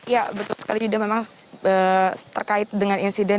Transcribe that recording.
ya betul sekali yuda memang terkait dengan insiden